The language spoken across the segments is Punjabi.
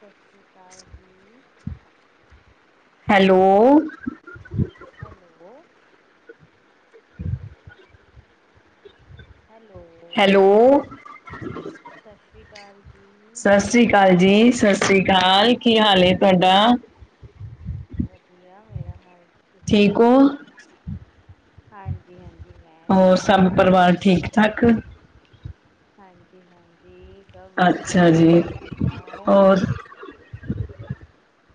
ਸਾ ਸ੍ਰੀ ਕਾਲ ਜੀ। ਹੈਲੋ ਹੈਲੋ ਹੈਲੋ ਹੈਲੋ ਸਾਸ਼੍ਰੀ ਕਾਲ ਜੀ। ਸ਼੍ਰੀ ਕਾਲ ਜੀ ਸਾਸੀ ਕਾਲ, ਕੀ ਹਾਲ ਅੇ ਤੁਆਡਾ? ਵਦੀਆ ਮੇਰਾ ਹਾਲ ਤੁਸੀਂ ਠੀਕ ਹੋ? ਦੱਸੋ ਹਾਂਜੀ-ਹਾਂਜੀ। ਮੈਂ ਹੋਰ ਠੀਕ ਸਬ ਹਾਂ, ਪਰਿਵਾਰ ਠੀਕ-ਠਾਕ। ਹਾਂਜੀ-ਹਾਂਜੀ ਸਬ ਅੱਛਾ ਵਦੀਆ ਜੀ, ਤੁਸੀਂ ਸੁਣਾਓ? ਹੋਰ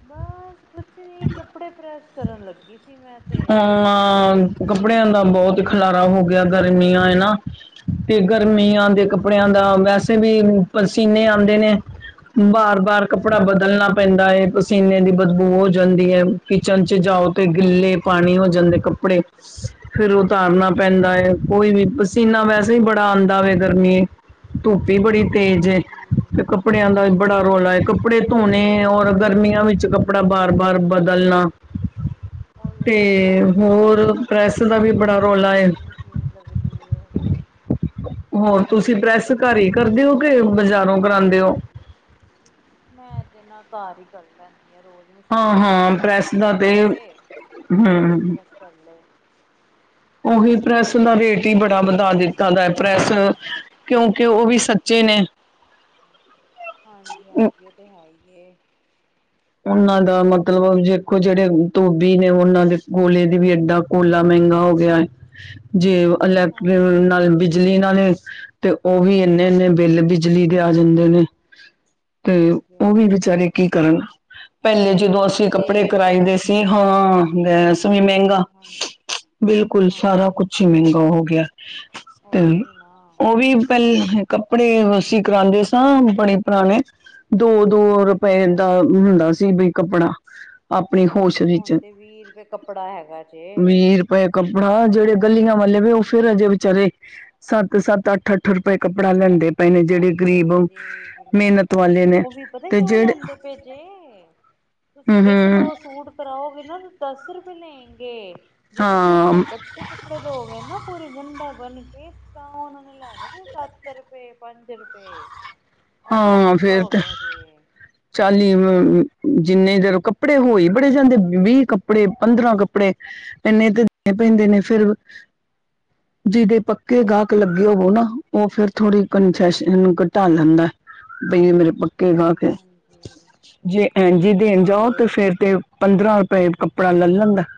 ਬਸ ਕੁਛ ਨੀ ਕੱਪੜੇ ਪ੍ਰੈਸ ਕਰਨ ਲੱਗੀ ਸੀ ਮੈਂ ਤੇ। ਹਾਂ, ਕੱਪੜਿਆਂ ਦਾ ਬੋਤ ਖਿਲਾਰਾ ਹੋ ਗਿਆ ਗਰਮੀਆਂ ਐ ਨਾ। ਤੇ ਗਰਮੀ ਦੇ ਕੱਪੜਿਆਂ ਦਾ ਵੈਸੇ ਵੀ ਪਸੀਨੇ ਆਂਦੇ ਨੇ। ਬਾਰ-ਬਾਰ ਕੱਪੜਾ ਬਦਲਣਾ ਪੈਂਦਾ ਐ ਪਸੀਨੇ ਦੀ ਬਦਬੂ ਹੋ ਜਾਂਦੀ ਐ ਕਿਚਨ ਚ ਜਾਓ ਤੇ ਗਿੱਲੇ ਹਾਂਜੀ, ਪਾਣੀ ਹੋ ਜਾਂਦੇ ਕੱਪੜੇ ਫੇਰ ਉਤਾਰਨਾ ਪੈਂਦਾ ਐ ਕੋਈ ਵੀ ਪਸੀਨਾ ਵੈਸੇ ਈ ਬੜਾ ਆਂਦਾ ਵੇ ਗਰਮੀ ਧੁੱਪ ਈ ਬੜੀ ਤੇਜ਼ ਏ ਹਾਂਜੀ ਤੇ ਕੱਪੜਿਆਂ ਦਾ ਬੜਾ ਰੋਲਾ ਉਹੀ ਐ ਨਾ। ਕੱਪੜੇ ਧੋਣੇ ਓਰ ਗਰਮੀਆਂ ਵਿੱਚ ਕੱਪੜਾ ਬਾਰ-ਬਾਰ ਬਦਲਨਾ ਓਈਓ ਨਾ ਰੋਜ਼ ਈ ਪ੍ਰੈਸ਼ ਹੋਰ ਲੱਗਦੀ ਪ੍ਰੈਸ ਦਾ ਏ ਵੀ ਬੜਾ ਤੇ ਰੌਲਾ ਏ। ਰੋਜ਼ ਈ ਮਸ਼ੀਨ ਲੱਗਦੀ ਏ। ਹੋਰ ਤੁਸੀਂ ਪ੍ਰੈਸ ਘਰ ਈ ਕਰਦੇ ਓ ਕਿ ਬਜ਼ਾਰੋਂ ਕਰਾਂਦੇ ਓ? ਮੈਂ ਤੇ ਨਾ ਘਰ ਈ ਕਰ ਲੈਂਦੀ ਆ ਰੋਜ਼। ਮਸ਼ੀਨ ਹਾਂ-ਹਾਂ ਲਾਂਦੀ ਆਂ ਪ੍ਰੈਸ ਕੱਪੜੇ ਦਾ ਤੇ ਧੋਤੇ ਫੇਰ ਹੂੰ ਪ੍ਰੈਸ ਕਰ ਲਏ। ਓਹੀ ਪ੍ਰੈਸ ਦਾ ਰੇਟ ਈ ਬੜਾ ਵਧਾ ਦਿੱਤਾ ਦਾ ਪ੍ਰੈਸ ਕਿਉਂਕਿ ਓ ਵੀ ਸੱਚੇ ਨੇ ਹਾਂਜੀ-ਹਾਂਜੀ ਓ ਤੇ ਹੈ ਈ ਏ। ਓਨਾਂ ਦਾ ਮਤਲਬ ਦੇਖੋ ਜੇੜੇ ਧੋਬੀ ਨੇ ਓਨਾਂ ਦੇ ਕੋਲੇ ਦੀ ਵੀ ਏਦਾਂ ਕੋਲਾ ਮੈਂਗਾ ਹੋ ਗਿਆ ਏ ਜੇ ਇਲੈਕਟ੍ਰਿਕ ਹਾਂਜੀ ਨਾਲ ਬਿਜਲੀ ਨਾਲੇ ਤੇ ਓਵੀ ਇੰਨੇ-ਇੰਨੇ ਬਿੱਲ ਬਿਜਲੀ ਦੇ ਆ ਜਾਂਦੇ ਨੇ ਤੇ ਹਾਂਜੀ ਓ ਵੀ ਹਾਂਜੀ ਵਿਚਾਰੇ ਕੀ ਕਰਨ। ਪੈਲੇ ਜਦੋਂ ਅਸੀਂ ਗੈਸ ਏ ਕੱਪੜੇ ਕਰਾਈ ਦੇ ਸੀ ਹਾਂ ਗੈਸ ਵੀ ਮੈਂਗਾ ਹਾਂਜੀ ਬਿਲਕੁਲ ਸਾਰਾ ਕੁਛ ਈ ਮੈਂਗਾ ਹੋ ਗੇਆ। ਓਹੀ ਨਾ। ਪੈਲ ਕੱਪੜੇ ਵੱਸੀਂ ਕਰਾਂਦੇ ਸਾਂ ਬੜੇ ਪੁਰਾਨੇ ਦੋ-ਦੋ ਰੁ ਪਏ ਹਾਂ ਐਦਾ ਹੁੰਦਾ ਸੀ ਵੀ ਕੱਪੜਾ ਅਪਨੀ ਹੋਸ਼ ਵਿੱਚ ਹੁਨ ਤੇ ਵੀ ਰੁਪਏ ਕੱਪੜਾ ਹੈਗਾ ਜੇ। ਵੇ ਕੱਪੜਾ ਜੇੜੇ ਗੱਲਿਆ ਵਾਲੇ ਵੇ ਓ ਫੇਰ ਅਜੇ ਵਿਚਾਰੇ ਸੱਤ-ਸੱਤ, ਅੱਠ-ਅੱਠ ਰੁਪਏ ਕੱਪੜਾ ਲੈਂਦੇ ਪਏ ਨੇ ਜੇੜੇ ਹਾਂਜੀ ਗਰੀਬ ਹਾਂਜੀ ਬਿਲਕੁਲ ਮ੍ਹੇਨਤ ਵਾਲੇ ਨੇ ਤੇ ਜੇੜੇ ਪੇਜੇ, ਤੁਸੀਂ ਹੂੰ ਇੱਕ-ਦੋ ਸੂਟ ਕਰਾਓਗੇ ਨਾ ਦਸ ਰੁਪਏ ਲੈਂਗੇ ਜੇ ਤੁਸੀਂ ਓਨਾਂ ਨੂੰ ਹਾਂ ਕੱਠੇ ਕੱ ਪੜੇ ਦੋਗੇ ਨਾ ਪੂਰੀ ਗੰਢਾ ਬੰਨ ਕੇ ਤਾਂ ਓਨਾ ਨੇ ਲੈਨੇ ਜੇ ਸੱਤ ਰੁਪਏ ਪੰਜ ਰੁਪਏ ਐ ਬੜਾ ਹਾਂ ਪੰਗਾ ਫੇਰ ਹੋ ਤੇ ਗਿਆ ਜੇ ਚਾਲੀ ਜਿੰਨੇ ਜਦੋਂ ਕੱਪੜੇ ਹੋਈ ਬੜੇ ਜਾਂਦੇ ਵੀ ਵੀਹ ਕੱਪੜੇ, ਪੰਦਰਾਂ ਕੱਪੜੇ ਇੰਨੇ ਤੇ ਤੋਣੇ ਪੈਂਦੇ ਨੇ ਫਿਰ [inaudible] ਜਿਹਦੇ ਪੱਕੇ ਗਾਹਕ ਲੱਗੇ ਹੋਵੋ ਨਾ ਉਹ ਫੇਰ ਥੋੜ੍ਹੀ ਕੰਨਸੈਸ਼ਨ ਘਟਾ ਲੈਂਦਾਂ ਹੈ। ਬਈ ਏ ਮੇਰੇ ਪੱਕੇ ਗਾਹਕ ਹਾਂਜੀ ਹੈ, ਹਾਂਜੀ ਜੇ ਉਹ ਐਂ ਤੇ ਜੀ ਹੈ ਦੇਣ ਹੀ ਜਾਓ ਤੇ ਏ ਫੇਰ ਤੇ ਪੰਦਰਾਂ ਰੁਪਏ ਕੱਪੜਾ ਲੈ ਲੈਂਦਾਂ ਐ‌।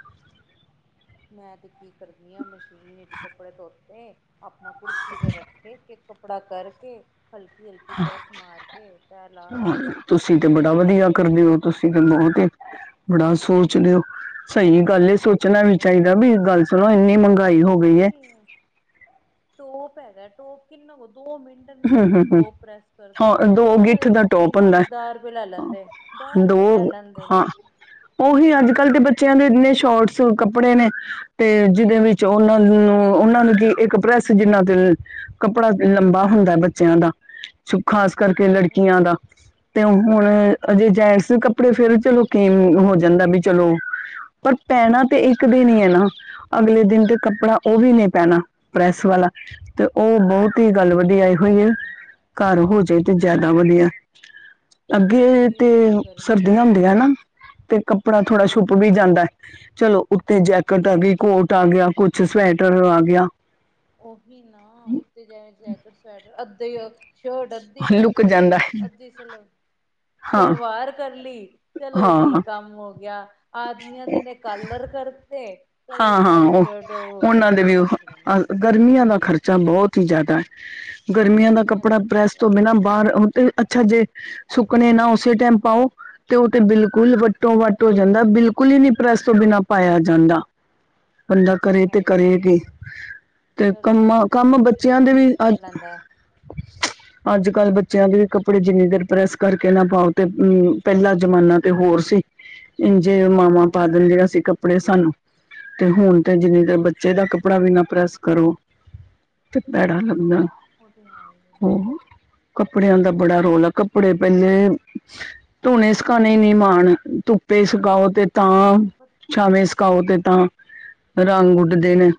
ਮੈਂ ਤੇ ਕੀ ਕਰਦੀ ਆ ਮਸ਼ੀਨ ਵਿਚ ਕੱਪੜੇ ਧੋਤੇ, ਆਪਣਾ ਕੁਰਸੀ ਤੇ ਰੱਖੇ ਤੇ ਕੱਪੜਾ ਕਰਕੇ ਹਲਕੀ-ਹਲਕੀ ਪ੍ਰੈੱਸ ਮਾਰ ਕੇ, ਤੈਅ ਲਾਹ ਲਾ ਕੇ ਤੁਸੀਂ ਕਰਦੀ ਤੇ ਬੜਾ ਰਹਿੰਦੀ ਆ। ਵਧੀਆ ਕਰਦੇ ਹੋ, ਤੁਸੀਂ ਤੇ ਬਹੁਤ ਬੜਾ ਸੋਚਦੇ ਹੋ ਸਹੀ ਗੱਲ ਸੋਚ ਸੋਚਣਾ ਵੀ ਹੋਰ ਚਾਹੀਦਾ ਵੀ ਗੱਲ ਸੁਣੋ ਇੰਨੀ ਮਹਿੰਗਾਈ ਪਤਾ ਹੋ ਗਈ ਹੈ ਕੀ ਟੋਪ ਹੈਗਾ ਟੋਪ ਕਿੰਨਾ ਕੁ ਦੋ ਮਿੰਟ ਹਮ ਲੱਗਦੇ ਹਮ ਹਮ ਟੋਪ ਪ੍ਰੈਸ ਕਰਦੇ ਹਾਂ ਦੋ ਉਹਨਾਂ ਗਿੱਠ ਦੇ ਦਾ ਕੀ ਟੋਪ ਹੁੰਦਾ ਨਾਮ ਦਾ ਹੈ। ਰੁਪਏ ਲੈ ਲੈਂਦੇ। ਦਾਹ ਰੁਪਏ ਲੈ ਲੈਂਦੇ ਨੇ। ਉਹੀਓ ਅੱਜ ਕੱਲ੍ਹ ਦੇ ਬੱਚਿਆਂ ਦੇ ਇੱਨੇ ਸ਼ੋਰਟਸ ਕੱਪੜੇ ਨੇ ਤੇ ਜਿਹਦੇ ਵਿੱਚ ਉਹਨਾਂ ਹਾਂਜੀ ਨੂੰ, ਹਾਂਜੀ ਉਹਨਾਂ ਨੂੰ ਕੀ ਇੱਕ ਪ੍ਰੈਸ ਜਿੰਨਾ ਤੇ ਕੱਪੜਾ ਲੰਬਾ ਹੁੰਦਾ ਏ ਬੱਚਿਆਂ ਦਾ, ਖ਼ਾਸ ਕਰਕੇ ਲੜਕੀਆਂ ਦਾ। ਤੇ ਹੁਣ ਅਜੇ ਹਾਂਜੀ ਜੈਂਟਸ ਕੱਪੜੇ ਫੇਰ ਚਲੋ ਕੀਮ ਹੋ ਜਾਂਦਾ ਵੀ ਚਲੋ ਪਰ ਪੈਣਾ ਤਾਂ ਇੱਕ ਦਿਨ ਹਾਂਜੀ ਹੀ ਹੈ ਨਾ, ਅਗਲੇ ਦਿਨ ਤੇ ਕੱਪੜਾ ਉਹ ਵੀ ਨਹੀਂ ਪੈਣਾ। ਪ੍ਰੈਸੇ ਵਾਲਾ, ਤੇ ਉਹ ਗਰ ਬਹੁਤ ਹੀ ਗੱਲ ਵਧੀਆਂਈ ਹੋਈ ਹੈ ਹਾਂਜੀ ਹਾਂਜੀ ਘਰ ਹੋ ਜਾਏ ਤੇ ਜ਼ਿਆਦਾ ਵਧੀਆ, ਅੱਗੇ ਉਹੀਓ ਤੇ ਨਾ ਗਰਮੀ ਸਰਦੀਆਂ ਐਨੀ ਹੁੰਦੀਆਂ ਏ ਨਾ ਤੇ ਕੱਪੜਾ ਥੋੜਾ ਛੁੱਪ ਵੀ ਹਾਂਜੀ ਜਾਂਦਾ ਏ। ਚਲੋ ਉੱਥਤੇ ਜੈਕਟ ਆ ਗਈ, ਕੋਟ ਆ ਗਿਆ, ਕੁਛ ਸਵੈਟਰ ਆ ਗਿਆ। ਉਹੀ ਨਾ ਉੱਤੇ ਜਾ ਜੈਕਟ, ਸਵੈਟਰ ਅੱਧੇ ਸ਼ਰਟ ਅੱਧੀ ਲੁਕ ਕਰਤੀ, ਜਾਂਦਾ ਹੈ ਅੱਧੀ ਸਲ ਹਾਂ ਸਲਵਾਰ ਕਰ ਲਈ ਚਲੋ ਜੀ ਹਾਂ ਕੰਮ ਹੋ ਗਿਆ, ਆਦਮੀਆਂ ਦੇ ਨੇ ਕਲਰ ਕਰਤੇ ਚਲੋ ਜੀ ਹਾਂ, ਹਾਂ ਸਾਰੀ ਉਹ ਸ਼ਰਟ ਰੁਕ ਉਹਨਾਂ ਦੇ ਵੀ ਜਾਂਦੀ ਏ ਰੁਕ ਜਾਂਦੀ ਅਹ ਏ ਗਰਮੀਆਂ ਦਾ ਖਰਚਾ ਬਹੁਤ ਹੀ ਜ਼ਿਆਦਾ ਏ। ਗਰਮੀਆਂ ਦਾ ਕੱਪੜਾ ਤਾਂ ਬੜਾ ਪ੍ਰੈਸ ਵਾ ਤੋਂ ਬਿਨਾਂ ਬਾਹਰ ਅਹ ਤੇ ਅੱਛਾ ਜੇ ਸੁੱਕਨੇ ਸਰ ਨਾ ਉਸੇ ਟਾਈਮ ਪਾਓ, ਹਾਂਜੀ ਤੇ ਉਹ ਤੇ ਬਿਲਕੁਲ ਵੱਟੋ ਹਾਂਜੀ ਵੱਟ ਹੋ ਜਾਂਦਾ ਬਿਲ ਬਿਲਕੁਲ ਨੀ ਪ੍ਰੈਸ ਤੋਂ ਬਿਨਾਂ ਪਾਇਆ ਜਾਂਦਾ। ਬੰਦਾ ਉਹ ਕਰੇ ਹੈ ਤੇ ਹੀ ਕਰੇ ਕਿ। ਜੇ ਤੇ ਸਰਦੀਆਂ ਕੰਮਾਂ ਚ ਕੰਮ ਬੰਦਾ ਕੱਪੜੇ ਬੱਚਿਆਂ ਦੇ ਵੀ ਰਿਪੀਟ ਕਰ ਅੱਜ ਲੈਂਦਾ [inaudible] ਅੱਜ ਕੱਲ੍ਹ ਬੱਚਿਆਂ ਦੇ ਕੱਪੜੇ ਜਿੰਨੀ ਦੇਰ ਪ੍ਰੈਸ ਕਰਕੇ ਨਾ ਪਾਓ, ਤੇ ਅਮ ਪਹਿਲਾ ਜ਼ਮਾਨਾ ਤੇ ਹੋਰ ਸੀ। ਇੰਝੇ ਮਾਵਾ ਪਾ ਹਾਂਜੀ ਦਿੰਦਿਆਂ ਸੀ ਕੱਪੜੇ ਸਾਨੂੰ। ਤੇ ਹੁਣ ਤੇ ਜਿੰਨੀ ਦੇਰ ਬੱਚੇ ਦਾ ਕੱਪੜਾ ਵੀ ਨਾ ਪ੍ਰੈਸ ਕਰੋ, ਤੇ ਭੈੜਾ ਲੱਗਦਾ ਐ। ਉਹ ਤੇ ਹੈਹੀ ਹੈ। ਕੱਪੜਿਆਂ ਦਾ ਬੜਾ ਰੋਲਾ, ਕੱਪੜੇ ਪਹਿਲੇ ਧੋਣੇ, ਸੁਕਾਨਣੇ ਨਹੀਂ ਮਾਣ ਧੁੱਪ ਧੁੱਪੇ ਸੁਕਾਓ ਤੇ ਹੁਣ ਤਾਂ, ਤੁਹਾਨੂੰ ਪਤਾ ਛਾਵੇਂ ਸੁਕਾਓ ਤੇ ਤਾਂ ਰੰਗ ਉੱਡਦੇ ਨੇ।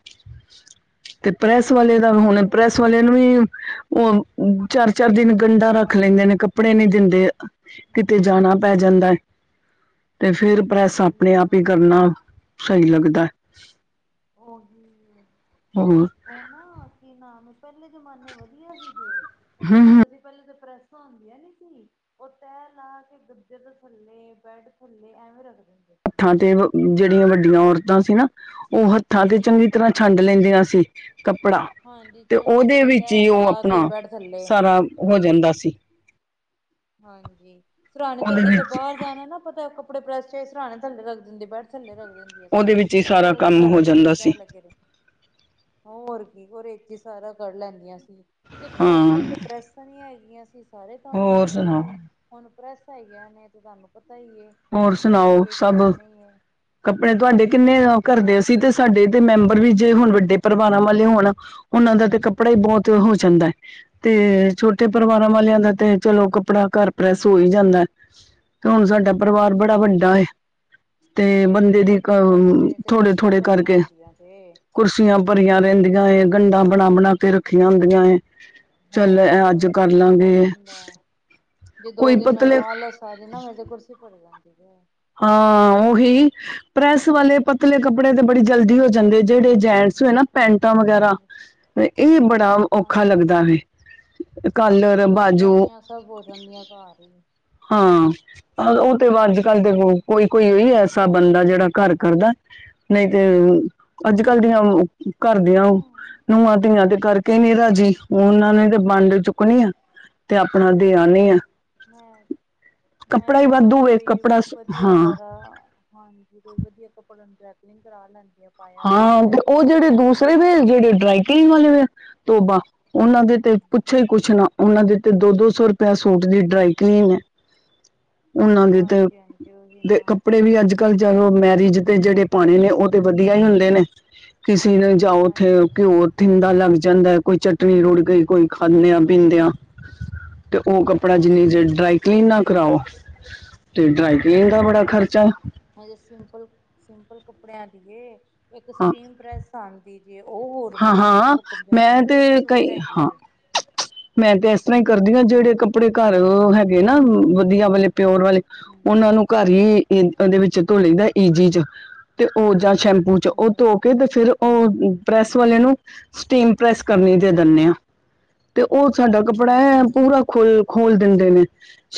ਤੇ ਪ੍ਰੈਸ ਪਹਿਲੇ ਵਾਲੇ ਦਾ ਸਮੇਂ ਹੁਣ, ਵਧੀਆ ਸੀ ਪ੍ਰੈਸ ਵਾਲੇ ਜੇ ਨੂੰ ਵੀ ਉਹ-ਉਹ, ਚਾਰ-ਚਾਰ ਦਿਨ ਗੰਡਾ ਰੱਖ ਲੈਂਦੇ ਨੇ। ਕੱਪੜੇ ਨਹੀਂ ਦਿੰਦੇ। ਕਿਤੇ ਹਾਂਜੀ ਜਾਣਾ ਪੈ ਜਾਂਦਾ ਹੈ, ਤੇ ਫੇਰ ਪ੍ਰੈਸ ਉਹੀ ਆਪਣੇ ਆਪ ਨਾ ਹੀ ਕਰਨਾ। ਸਹੀ ਲੱਗਦਾ ਐ। ਉਹੀ। ਹੋਰ। ਉਹ ਨਾ ਕੀ ਨਾਮ ਪਹਿਲੇ ਜਮਾਨੇ ਵਧੀਆ ਸੀਗੇ, ਪਤਾ ਕੀ ਹਮ ਹੁੰਦਾ ਸੀ। ਪਹਿਲੇ ਤਾਂ ਪ੍ਰੈਸਾਂ ਹੁੰਦੀਆਂ ਨੀ ਸੀ। ਉਹ ਤੈ ਲਾ ਕੇ ਗੱਦੇ ਦੇ ਥੱਲੇ ਬੈਡ ਥੱਲੇ ਐਵੇਂ ਰੱਖਦੇ ਹੁੰਦੇ ਸੀ। ਹੱਥਾਂ ਤੇ ਜਿਹੜੀਆਂ ਵੱਡੀਆਂ ਔਰਤਾਂ ਸੀ ਨਾ ਉਹ ਹੱਥਾਂ ਤੇ ਚੰਗੀ ਤਰਾਂ ਹਾਂਜੀ ਛੰਡ ਲੈਂਦੀਆਂ ਸੀ। ਕੱਪੜਾ, ਹਾਂਜੀ ਤੇ ਛਿੰਡ ਉਹਦੇ ਕੇ ਵਿੱਚ ਹੀ ਤੈ ਉਹ ਲਾ ਕੇ ਆਪਣਾ ਬੈਡ ਥੱਲੇ ਸਾਰਾ ਹੋ ਜਾਂਦਾ ਸੀ। ਹਾਂਜੀ, ਸਰਾਣੇ ਤੇ ਉਹਦੇ ਅੱਗੇ ਥੇ ਵਿੱਚ ਬਾਹਰ ਜਾਣਾ ਨਾ ਪਤਾ ਏ, ਕੱਪੜੇ ਪ੍ਰੈਸ ਚਾਹੀਦੇ ਸਰਾਣੇ ਥੱਲੇ ਰੱਖ ਦਿੰਦੇ ਬੈਡ ਥੱਲੇ ਰੱਖਦੇ ਸੀ। ਉਹਦੇ ਸਨ ਵਿੱਚ ਹੀ ਸਾਰਾ ਚਲੋ ਜੀ ਕੰਮ ਸਾਡੇ ਹੋ ਕੱਪੜੇ ਜਾਂਦਾ ਸੀ ਤੈ ਲੱਗੇ ਵੇ। ਹੋਰ ਕੀ ਉਦੇ ਚ ਈ ਸਾਰਾ ਕੱਰ ਲੈਂਦੀਆਂ ਸੀ, ਦੇਖੋ ਹਾਂ ਪਹਿਲੇ ਪ੍ਰੈਸ। ਕੇੜੀਆਂ ਹੈਗੀਆਂ ਸੀ ਸਾਰੇ ਕੰਮ ਹੀ ਹੋਰ ਹੁੰਦੇ ਸੁਣਾਓ ਸੀ ਹੁਣ ਪ੍ਰੈੱਸ ਹੈਗੀਆ ਨੇ ਤੇ ਤੁਹਾਨੂੰ ਪਤਾ ਹੀ ਹੈ। ਹੋਰ ਸੁਣਾਓ ਸਭ, ਧੀਆਂ। ਕੱਪੜੇ ਤੁਹਾਡੇ ਕਿੰਨੇ ਘਰਦੇ ਅਸੀਂ ਤੇ ਸਾਡੇ ਤੇ ਮੈਂਬਰ ਵੀ ਜੇ ਹੁਣ ਵੱਡੇ ਪਰਿਵਾਰਾਂ ਵਾਲੇ ਹੋਣ। ਉਹਨਾਂ ਦਾ ਤੇ ਕੱਪੜਾ ਹੀ ਬੋਤ ਹੋ ਜਾਂਦਾ ਹੈ, ਤੇ ਛੋ- ਟੇ ਪਰਿਵਾਰਾਂ ਹਾਂਜੀ ਵਾਲਿਆਂ ਹਾਂਜੀ ਦਾ ਤੇ ਚਲੋ ਕੱਪੜਾ ਘਰ ਪ੍ਰੈਸ ਹੋ ਈ ਜਾਂਦਾ, ਤੇ ਹੁਣ ਸਾਡੇ। ਸਾਡਾ ਪਰਿਵਾਰ ਹਾਂਜੀ ਬੜਾ ਵੱਡਾ ਹਾਂਜੀ ਏ। ਤੇ ਬੰਦੇ ਦੀ ਨਹੀਂ ਅ ਕਿਸੇ ਟਾਈਮ ਤੇ ਮੇਰੇ ਤੇ ਥੋੜੇ- ਕੁਰਸੀਆਂ ਥੋੜੇ ਭਰੀਆਂ ਕਰਕੇ। ਹੁੰਦੀਆਂ ਜੇ ਕੁਰਸੀਆਂ ਭਰੀਆਂ ਰਹਿੰਦੀਆਂ ਗੰਡਾਂ ਬਣਾ- ਬਣਾ ਕੇ ਰੱਖੀਆਂ ਹੁੰਦੀਆਂ ਏ। ਚੱਲ ਹੋਰ ਅੱਜ ਕਰ ਕਿਸ ਟਾਈਮ ਹੋ ਲਾਂਗੇ ਜਾਂਦਾ, ਜੇ ਦੋ ਕੋਈ ਦਿਨ ਪਤਲੇ ਮੈਨੂੰ ਆਲਸ। ਪੈ ਜੇ ਨਾ ਮੇਰੀ ਤਾਂ ਕੁਰਸੀ ਭਰੀ ਰਹਿੰਦੀ ਐ। ਹਾਂ ਉਹੀ, ਪ੍ਰੈਸ ਵਾਲੇ ਪਤਲੇ ਕੱਪੜੇ ਤੇ ਬੜੀ ਜਲਦੀ ਹੋ ਜਾਂਦੇ, ਜਿਹੜੇ ਜੈਂਟਸ ਹੈ ਨੇ। ਪੈਂਟਾਂ ਵਗੈਰਾ ਹਾਂਜੀ। ਇਹ ਬੜਾ ਔਖਾ ਹਾਂਜੀ ਲੱਗਦਾ ਹਾਂਜੀ ਵੇ। ਕਾਲਰ ਚੁੰਨੀਆਂ ਬਾਜੂ ਚਾਨੀਆਂ ਸਭ ਹੋੋ ਜਦੀਆਂ ਘਰ ਹੀ। ਹਾਂ, ਉਹ ਤੇ ਵਾਧੂ। ਕੱਲ ਦੇ ਕੋਈ- ਕੋਈ ਈ ਐਸਾ ਬੰਦਾ ਜਿਹੜਾ ਘਰ ਕਰਦਾ। ਨਹੀਂ ਤੇ ਅੱਜ ਕੱਲ ਦੀਆਂ- ਕਰਦਿਆਂ ਨੂੰਹਾਂ ਧੀਆਂ ਤੇ ਕਰਕੇ ਈ ਨੀ ਰਾਜੀ। ਉਹਨਾਂ ਨੇ ਤਾਂ ਵੰਡ ਚੁੱਕਣੀ ਆ, ਤੇ ਆਪਣਾ ਦੇ ਆਣੀ ਆ। ਮੈਂ ਮੈਂ ਕੱਪੜਾ ਹੀ ਤੇ ਆਪ ਵਾਧੂ ਵੇ ਕੋਈ- ਕੱਪੜਾ ਵਧੀਆ ਹਾਂ ਜ਼ਿਆਦਾ ਹਾਂਜੀ ਕੋਈ ਵਧੀਆ ਕੱਪੜੇ ਹੁੰਦੇ ਡੈਕਲਿੰਗ ਕਰਾ ਲੈਂਦੇ ਆ। ਪਾਇਆ ਤਾਂ ਹਾਂ ਹੁੰਦਾ ਤੇ ਹੈ। ਉਹ ਜਿਹੜੇ ਡਰੈਕਲਿੰਗ ਦੂਸਰੇ ਵ ਕਰਵਾ ਜਿਹੜੇ ਲਿਆ ਡਰਾਈਟਗ ਵਾਲੇ ਵ ਤੋਬਾ- ਉਹਨਾਂ ਦੇ ਹੂੰ ਤੇ ਪੁੱਛ ਹੀ ਕੁਛ ਨਾ ਹਾਂਜੀ ਉਹਨਾਂ ਦੇ ਤੇ ਦੋ- ਦੋ ਸੌ ਰੁਪਆ ਸੂਟ ਦੀ ਡਰਾਈ ਕਲੀਨ ਹੈ। ਉਹਨਾਂ ਦੇ ਤੇ, ਹਾਂਜੀ ਹਾਂਜੀ ਉਹੀ ਤੇ ਨਾ ਕੱਪੜੇ ਵੀ ਅੱਜ- ਕੱਲ ਜਿਵੇਂ ਮੈਰਿਜ ਤੇ ਜਿਹੜੇ ਪਾਉਣੇ ਨੇ ਉਹ ਤੇ ਵਧੀਆ ਹੀ ਹੁੰਦੇ ਨੇ, ਕਿਸੇ ਨੇ- ਜਾ ਉੱਥੇ ਹਾਂਜੀ ਹਾਂਜੀ ਘਿਓ ਥਿੰਦਾ ਲੱਗ ਜਾਂਦਾ ਕੋਈ ਚਟਨੀ ਰੁੜ ਗਈ ਕੋਈ ਖਾਂਦਿਆਂ ਹਾਂਜੀ ਪੀਂਦਿਆ। ਤੇ ਉਹ ਕਪੜਾ ਜਿੰਨੀ ਹਾਂਜੀ ਚਿਰ ਹਾਂਜੀ ਡਰਾਈਕਲੀਨ ਨਾ ਕਰਾਓ- ਤੇ ਡਰਾਈ ਕਲੀਨ ਤੁਹਾਨੂੰ ਦਾ ਬੜਾ ਪਤਾ ਖਰਚਾ। ਹਜੇ ਸਿੰਪਲ- ਸਿੰਪਲ ਕੱਪੜਿਆਂ ਦੀ ਐ ਇੱਕ ਹਾਂ ਸਟੀਮ ਪ੍ਰੈਸ ਆਂਦੀ। ਜੇ ਉਹ ਹੋਰ ਹਾਂ ਮਹਿੰਗੀ ਏ ਹਾਂ ਉਹ ਪੰਜਾਹ ਮੈਂ ਤੇ ਰੁਪਏ ਸੂਟ ਕਈ ਹੈਗੇ ਹਾਂ ਜੇ। ਮੈਂ ਤੇ ਇਸ ਤਰਾਂ ਹੀ ਕਰਦੀ ਹਾਂ ਜਿਹੜੇ ਕੱਪੜੇ ਘਰ ਹੈਗੇ ਨਾ ਵਧੀਆ ਵਾਲੇ- ਪਿਓਰ ਵਾਲੇ, ਹਾਂਜੀ ਉਹਨਾਂ ਨੂੰ ਘਰ- ਦੇ ਉਂਦੇ ਵਿੱਚ ਧੋ ਲਈਦਾ ਈਜੀ ਚ, ਤੇ ਉਹ ਜਾਂ ਸ਼ੈਂਪੂ ਚ ਉਹ ਹਾਂਜੀ ਧੋ- ਤੇ ਫੇਰ ਉਹ ਪ੍ਰੈਸ ਵਾਲੇ ਨੂੰ ਸਟੀਮ ਪ੍ਰੈਸ ਕਰਨੀ ਦੇ ਦਿੰਦੇ ਆ। ਤੇ ਉਹ ਸਾਡਾ ਕੱਪੜਾ ਹੈ ਹਾਂਜੀ ਪੂਰਾ ਖੋਲ- ਖੋਲ ਦਿੰਦੇ ਨੇ।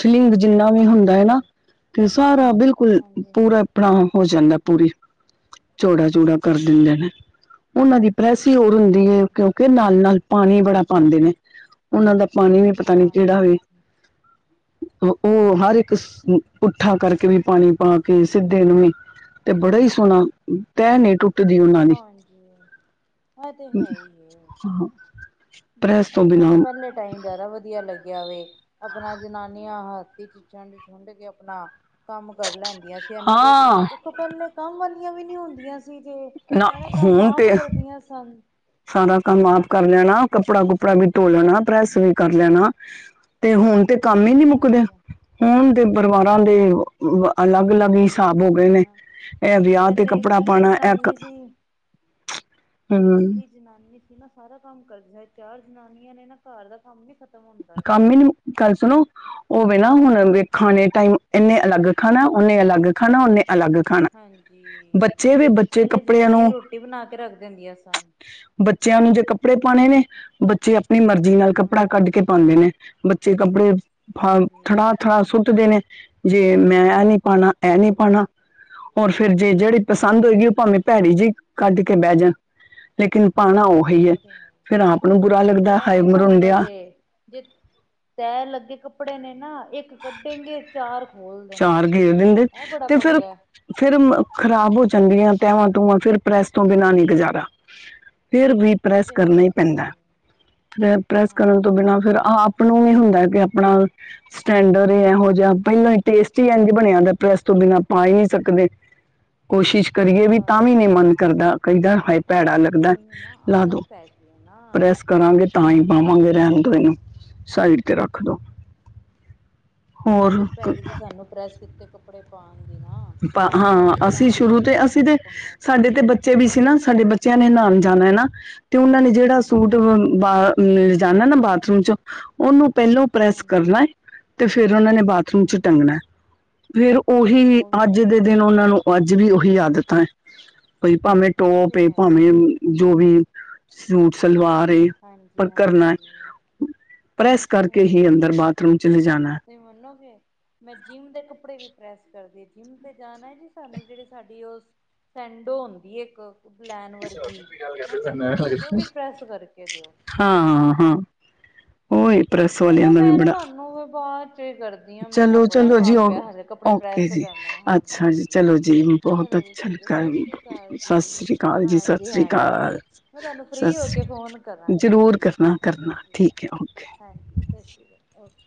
ਸ਼ਲਿੰਗ ਜਿੰਨਾ ਵੀ ਹੁੰਦਾ ਐ ਨਾ ਹਾਂਜੀ ਤੇ ਸਾਰਾ ਬਿਲਕੁਲ ਹਾਂਜੀ ਪੂਰਾ ਹਾਂਜੀ ਆਪਨਾ ਹੋ ਜਾਂਦਾ ਪੂਰੀ ਚੌੜਾ-ਚੂੜਾ ਕਰ ਦਿੰਦੇ ਨੇ ਓਨਾਂ ਦੀ ਪਰੈਸ ਈ ਹੋਰ ਹੁੰਦੀ ਹਾਂਜੀ ਐ ਕਿਓਂਕਿ ਕਿ ਨਾਲ-ਨਾਲ ਪਾਨੀ ਬੜਾ ਪਾਂਦੇ ਨੇ। ਓਨਾਂ ਦਾ ਪਾਨੀ ਵੀ ਪਤਾ ਨੀ ਕੇੜਾ ਵੇ ਓ ਹਰ ਇੱਕ ਪੁੱਠਾ ਕਰਕੇ ਵੀ ਪਾਨੀ ਪਾ ਕੇ ਸਿੱਦੇ ਨੂੰ ਵੀ ਤੇ ਬੜਾ ਈ ਸੋਣਾ ਤੈ ਨੀ ਟੁੱਟ ਦੀ ਓਨਾਂ ਹਾਂਜੀ ਦੀ, ਹਾਂਜੀ ਇਹ ਤੇ ਹੈ ਹੀ ਪ੍ਰੈਸ ਤੋਂ ਕਿਓਂਕਿ ਮੈਂ ਤੇ ਬਿਨਾਂ ਪੈਲੇ ਟਾਈਮ ਜ਼ਾਅਦਾ ਵਦੀਆ ਲੱਗੇਆ ਵੇ ਆਪਨਾ ਜਨਾਨੀਆਂ ਆਹ ਵਿੱਚ ਛੰਡ-ਛੁੰਡ ਕੇ ਆਪਨਾ ਕੰਮ ਕਰ ਲੈਂਦੀਆਂ ਸੀ ਏਨਾਂ ਦੇ ਉਥੇ ਹਾਂ ਲ ਪੈਲੇ ਕੰਮ ਵਾਲੀਆਂ ਵੀ ਨੀ ਹੁੰਦੀਆਂ ਸੀ ਤੇ ਨਾ ਸਾਰਾ ਕੰਮ ਹੁਣ ਆਪ ਤੇ ਕਰਦੀਆਂ ਸਨ। ਸਾਰਾ ਕੰਮ ਆਪ ਕਰ ਲੈਨਾ ਕੱਪੜਾ-ਕੁੱਪੜਾ ਵੀ ਧੋ ਲੈਨਾ ਪ੍ਰੈਸ ਵੀ ਕਰ ਲੈਨਾ। ਤੇ ਹੁਨ ਤੇ ਕੰਮ ਈ ਨੀ ਮੁੱਕਦੇ ਹਾਂਜੀ ਹੁਨ ਤੇ ਪਰਿਵਾਰਾਂ ਦੇ ਅਲੱਗ-ਅਲੱਗ ਈ ਸਾਬ ਹੋ ਉਹੀ ਗਏ ਹੈ ਨੇ ਨਾ ਐ ਵਿਆਹ ਤੇ ਪਹਿਲੇ ਕੱਪੜਾ ਇਕੱਲੀ ਪਾਨਾ ਐ ਪੈਲੇ ਕੱਲੀ ਜਨਾਨੀ ਨਾ ਸਾਰਾ ਕੰਮ ਕਰਦੀਆ ਚਾਰ ਜਨਾਨੀਆਂ ਨੇ ਨਾ ਘਰ ਦਾ ਕੰਮ ਨੀ ਖਤਮ ਕੰਮ ਈ ਨੀ ਮੁ ਗੱਲ ਸੁਣੋ ਓਵੇ ਨਾ ਹੁਨ ਖਾਨੈ ਟਾਈਮ ਏਨੇ ਅਲੱਗ ਖਾਨਾ ਓਨੇ ਅਲੱਗ ਖਾਨਾ ਅਲੱਗ ਖਾਨਾ ਹਾਂਜੀ ਪੈਲੇ ਕੱਪੜਿਆਂ ਜਨਾਨੀਆਂ ਨੂੰ ਰੋਟੀ ਬਨਾ ਕੇ ਰੱਖ ਦੇਂਦੀਆਂ ਸਨ। ਬੱਚੇਆਂ ਨੂੰ ਜੇ ਕੱਪੜੇ ਪਾਨੇ ਨੇ ਬੱਚੇ ਆਪਨੀ ਮਰਜ਼ੀ ਨਾਲ ਕੱਪੜਾ ਹਾਂਜੀ ਕੱਢ ਕੇ ਪਾਂਦੇ ਨੇ ਬੱਚੇ ਕੱਪੜੇ ਫਾਲ ਹਾਂਜੀ ਖੜਾ ਖੜਾ ਸੁੱਟਦੇ ਨੇ ਜੇ ਮੈਂ ਐ ਨੀ ਪਾਨਾ ਐ ਨੀ ਪਾਨਾ। ਹੋਰ ਫਿਰ ਜੇ ਜੇੜੀ ਪਸੰਦ ਹੋਏਗੀ ਓ ਭਾਵੇਂ ਭੈੜੀ ਜੀ ਕੱਢ ਕੇ ਬੈ ਜਾਨ। ਲੇਕਿਨ ਪਾਨਾ ਓਹੀ ਐ ਉਹ ਤੇ ਹੈ ਫੇਰ ਆਪ ਨੂੰ ਬੁਰਾ ਫੇਰ ਲੱਗਦਾ ਇਹ ਹਾਏ ਵੀ ਪੰਗਾ ਮਰੁੰਡੇਆ ਜੇ ਜੇ ਤੈ ਲੱਗੇ ਕੱਪੜੇ ਨੇ ਨਾ ਇੱਕ ਕੱਡੇਂਗੇ ਚਾਰ ਖੋਲਦੇ ਨੇ ਐ ਬੜਾ ਪੰਗਾ ਐ ਫੇਰ ਖਰਾਬ ਹੋ ਜਾਂਦੀਆਂ ਤੈਵਾ-ਤੂਵਾਂ ਫਿਰ ਪ੍ਰੈਸ ਤੋਂ ਬਿਨਾਂ ਨੀ ਗਜ਼ਾਰਾ ਫੇਰ ਵੀ ਉਹ ਪ੍ਰੈਸ ਤੇ ਹੈ ਕਰਨਾ ਈ ਹੀ ਜੀ ਪੈਂਦੈ ਫੇਰ ਪ੍ਰੈਸ ਕਰਨ ਹਾਂਜੀ ਤੋਂ ਬਿਨਾਂ ਫਿਰ ਹਾਂਜੀ ਆਪ ਨੂੰ ਵੀ ਹੁੰਦਾ ਕਿ ਆਪਣਾ ਸਟੈਂਡਰਡ ਏਹੋ ਜਾ ਪੈਲਾਂ ਈ ਟੇਸਟ ਈ ਇੰਝ ਬਨਿਆ ਹੁੰਦਾ ਦਾ ਪ੍ਰੈਸ ਤੋਂ ਬਿਨਾਂ ਪਾ ਈ ਨੀ ਸਕਦੇ। ਕੋਸ਼ਿਸ਼ ਕਰੀਏ ਵੀ ਤਾਂ ਵੀ ਨੀ ਹਾਂਜੀ ਮਨ ਕਰਦਾ ਕਈਦਾ ਹਾਏ ਭੈੜਾ ਲੱਗਦਾ, ਉਹੀ ਨਾ ਲਾ ਦੋ ਆਦਤ ਪੈ ਗਈ ਹੈ ਨਾ ਪ੍ਰੈਸ ਕਰਾਂਗੇ ਤਾਂ ਈ ਆਦਤ ਪੈ ਪਾਵਾਂਗੇ ਗਈ ਰੈਣ ਦੋ ਏਨੂੰ, ਸਾਈਡ ਤੇ ਰੱਖ ਦੋ। ਹੋਰ ਆਦਤ ਪੈ ਕ- ਗੀ ਜੀ ਸਾਨੂੰ ਪ੍ਰੈਸ ਕੀਤੇ ਕੱਪੜੇ ਪਾਨ ਦੀ ਨਾ। ਪਾ ਹਾਂ, ਇਹ ਅਸੀਂ ਤਾਂ ਸ਼ੁਰੂ ਤੇ ਕਰਕੇ ਅਸੀਂ ਸਾਰਾ ਤੇ ਪੰਗਾ ਸਾਡੇ ਤੇ ਬੱ ਬੱਚੇ ਵੀ ਸੀ ਨਾ ਸਾਡੇ ਬੱਚੇਆਂ ਨੇ ਨਾਣ ਜਾਨਾ ਐ ਨਾ ਤੇ ਓਨਾਂ ਨੇ ਜੇੜਾ ਸੂਟ ਬ ਹਾਂਜੀ ਜੀ, ਬਾ ਚੇ ਨੇ ਜਾਨਾ ਨਾ ਬਾਥਰੂਮ ਚ ਓਨੂੰ ਪੈਲੋਂ ਪ੍ਰੈਸ ਹਾਂਜੀ ਕਰਨਾ ਐ ਤੇ ਫੇਰ ਓਨਾ ਨੇ ਬਾਥ ਰੂਮ ਚ ਹਾਂਜੀ ਟੰਗਨੈ ਫੇਰ ਓਹੀ ਉਹੀ ਮੈਂ ਵੀ ਓਨਾਂ ਨੂੰ ਅੱਜ ਵੀ ਓਹੀ ਆਦਤਾਂ ਐ ਬੀ ਭਾਵੇਂ ਉਹ ਟੋਪ ਤੇ ਏ ਹੈ ਭਾਵੇਂ ਹੀ ਹੈ ਜੋ ਵੀ ਸੂਟ-ਸਲਵਾਰ ਏ। ਪਰ ਕਰਨਾ ਹਾਂਜੀ-ਹਾਂਜੀ। ਪ੍ਰੈਸ ਕਰਕੇ ਹੀ ਅੰਦਰ ਬਾਥਰੂਮ ਚ ਲਿਜਾਨੈ। ਤੁਸੀਂ ਮੰਨੋਗੇ ਮੈਂ ਜਿੰਮ ਦੇ ਕੱਪੜੇ ਵੀ ਪ੍ਰੈਸ ਕਰਦੀ ਆ ਜਿੰਮ ਤੇ ਜਾਨਾ ਸਾਨੂੰ ਜੇੜੀ ਸਾਡੀ ਓ ਸੈਂਡੋ ਔਂਦੀ ਏ ਇੱਕ ਬਲੈਨ ਵਰਗੀ ਹੈ ਕੈਂਦੇ ਸਾਨੂੰ ਤਾਂ ਓ ਵੀ ਪ੍ਰੈਸ ਕਰਕੇ ਦੇਓ। ਹਾਂ ਹਾਂ ਉਹੀ ਪ੍ਰੈਸ ਵਾਲਿਆਂ ਚਲੋ ਦਾ ਵੀ ਮੈਂ ਨਾ ਬੜਾ ਤੁਆਨੂੰ ਬਾਦ ਚੇ ਕਰ ਆ ਮੈਂ ਚਲੋ ਬੜਾ ਚਲੋ ਜੀ ਕੰਮ ਪਿਆ ਹਲੇ ਕੱਪੜੇ ਓਕੇ ਪ੍ਰੈਸ ਜੀ ਕਰਨੇ ਆ, ਅੱਛਾ ਜੀ ਚਲੋ ਹਾਂਜੀ-ਹਾਂਜੀ। ਜੀ ਬਹੁਤ ਚਲੋ ਜੀ ਅੱਛਾ ਠੀਕ ਐ, ਲੱਗਾ ਸਸ ਸ੍ਰੀ ਕਾਲ ਸਤਿ ਜੀ। ਸ੍ਰੀ ਅਕਾਲ ਜੀ ਸਤਿ ਸ੍ਰੀ ਹਾਂਜੀ-ਹਾਂਜੀ। ਅਕਾਲ ਮੈਂ ਤੁਹਾਨੂੰ ਸਤਿ ਫ੍ਰਰੀ ਹੋ ਕੇ ਸ੍ਰੀ ਫੋਨ ਕਰਾਂਗੀ। ਠੀਕ ਐ ਜ਼ਰੂਰ ਕਰਨਾ ਜੀ, ਸਸ ਕਰਨਾ ਸ਼੍ਰੀ ਕਾਲ। ਠੀਕ ਹੈ ਓਕੇ ਹਾਂਜੀ ਸਸ ਸ਼੍ਰੀ ਕਾਲ, ਓਕੇ।